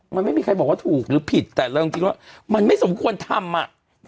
มันไม่มีใครบอกว่าถูกหรือผิดแต่เราคิดว่ามันไม่สมควรทำอ่ะ